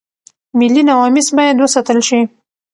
ملي نواميس بايد وساتل شي.